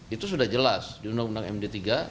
itu sudah jelas di undang undang md tiga